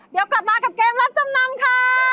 เดี๋ยวกลับมากับเกมรับจำนำค่ะ